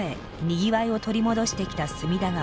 にぎわいを取り戻してきた隅田川。